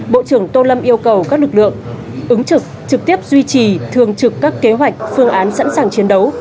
bộ trưởng tô lâm yêu cầu các lực lượng ứng trực trực tiếp duy trì thường trực các kế hoạch phương án sẵn sàng chiến đấu